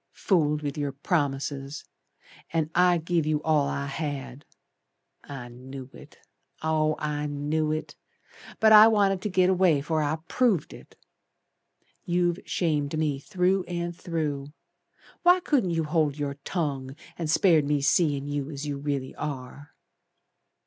Fooled with your promises, And I give you all I had. I knew it, oh, I knew it, But I wanted to git away 'fore I proved it. You've shamed me through and through. Why couldn't you hold your tongue, And spared me seein' you As you really are."